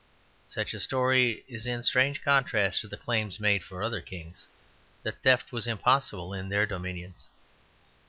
Such a story is in strange contrast to the claims made for other kings, that theft was impossible in their dominions.